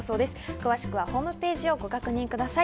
詳しくはホームページをご確認ください。